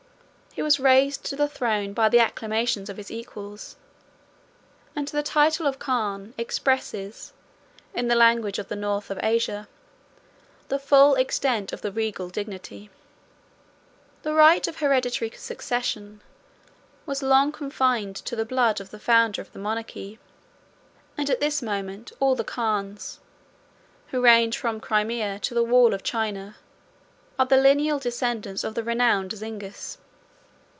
He was raised to the throne by the acclamations of his equals; and the title of Khan expresses, in the language of the North of Asia, the full extent of the regal dignity. The right of hereditary succession was long confined to the blood of the founder of the monarchy; and at this moment all the Khans, who reign from Crimea to the wall of China, are the lineal descendants of the renowned Zingis.